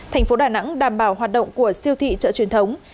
tp đà nẵng đảm bảo hoạt động của siêu thị chợ truyền thống